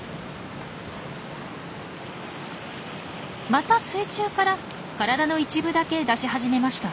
また水中から体の一部だけ出し始めました。